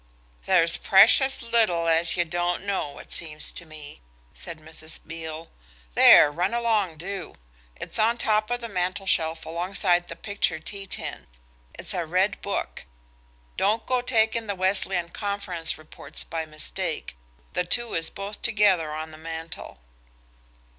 "There's precious little as ye don't know, it seems to me," said Mrs. Beale. "There, run along do. It's on top of the mantelshelf alongside the picture tea tin. It's a red book. Don't go taking the Wesleyan Conference Reports by mistake, the two is both together on the mantel."